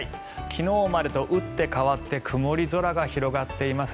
昨日までと打って変わって曇り空が広がっています。